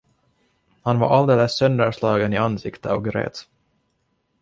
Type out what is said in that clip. Han var alldeles sönderslagen i ansiktet och grät.